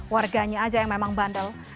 warganya aja yang memang bandel